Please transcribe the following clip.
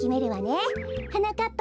はなかっ